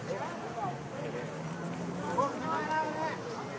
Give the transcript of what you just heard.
โปรดติดตามต่อไป